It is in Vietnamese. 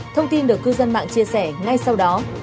thông tin được cư dân mạng chia sẻ ngay sau đó